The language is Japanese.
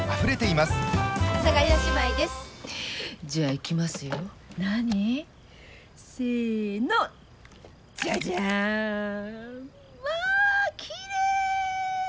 まあきれい！